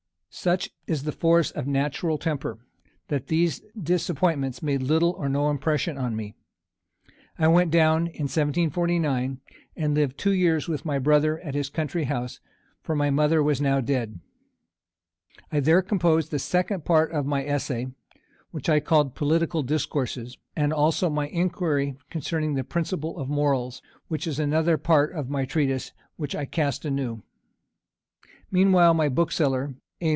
Such is the force of natural temper, that these disappointments made little or no impression on me. I went down, in 1749, and lived two years with my brother at his country house, for my mother was now dead. I there composed the second part of my Essay, which I called Political Discourses, and also my Inquiry concerning the Principles of Morals, which is another part of my Treatise that I cast anew. Meanwhile, my bookseller, A.